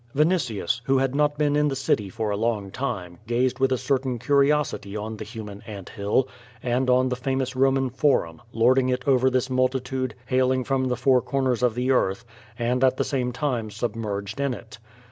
Vinitius, who had not been in the city for a long time, gazed with a certain curiosity on the human ant hill, and on the famous Roman Forum, lording it over this multitude hailing from the four comers of the earth, and at the same time submerged in it.